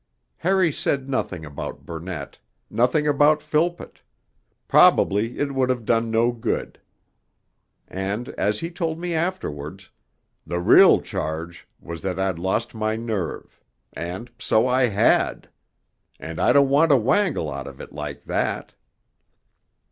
Harry said nothing about Burnett; nothing about Philpott; probably it would have done no good. And as he told me afterwards, 'The real charge was that I'd lost my nerve and so I had. And I don't want to wangle out of it like that.'